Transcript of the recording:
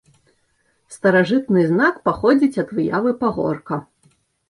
Старажытны знак паходзіць ад выявы пагорка.